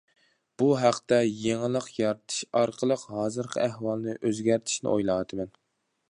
بۇ ھەقتە يېڭىلىق يارىتىش ئارقىلىق ھازىرقى ئەھۋالنى ئۆزگەرتىشنى ئويلاۋاتىمەن.